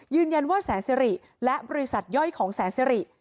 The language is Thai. ยืนยันว่าแสนสิริและบริษัทย่อยของแสนสิริ